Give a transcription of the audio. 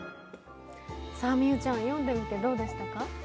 美羽ちゃん、読んでみてどうでしたか？